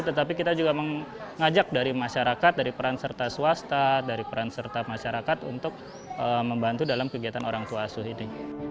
tetapi kita juga mengajak dari masyarakat dari peran serta swasta dari peran serta masyarakat untuk membantu dalam kegiatan orang tua asuh ini